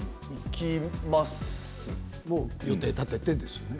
予定を立ててですよね。